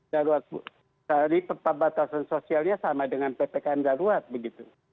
dari pembatasan sosialnya sama dengan ppkm darurat begitu